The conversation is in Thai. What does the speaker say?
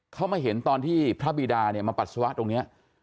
เขามาเห็นตอนที่พระบีดาเนี่ยมาปัสสาวะตรงนี้